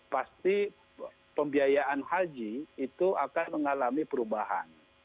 pasti pembiayaan haji itu akan mengalami perubahan